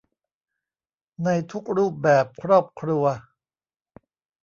ในทุกรูปแบบครอบครัว